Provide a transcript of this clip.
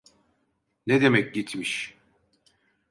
Ne demek gitmiş?